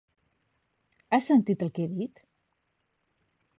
Has sentit el que he dit?